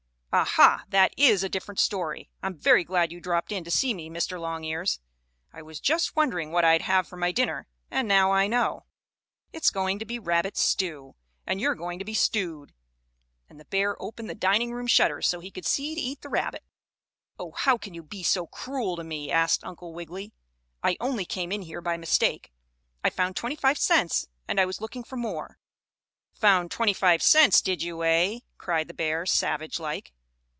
"Ah, ha! That is a different story. I am very glad you dropped in to see me, Mr. Longears. I was just wondering what I'd have for my dinner, and now I know it is going to be rabbit stew, and you are going to be stewed," and the bear opened the dining room shutters so he could see to eat the rabbit. "Oh, how can you be so cruel to me?" asked Uncle Wiggily. "I only came in here by mistake. I found twenty five cents, and I was looking for more." "Found twenty five cents, did you, eh?" cried the bear, savage like.